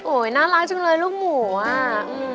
น่ารักจังเลยลูกหมูอ่ะ